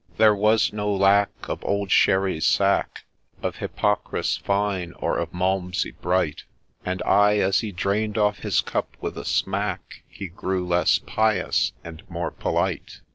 160 A LAY OF ST. NICHOLAS There was no lack of old Sherris sack, Of Hippocras fine, or of Malinsey bright ; And aye, as he drain'd off his cup with a smack, He grew less pious and more polite.